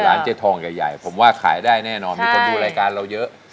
เจ๊ทองใหญ่ผมว่าขายได้แน่นอนมีคนดูรายการเราเยอะ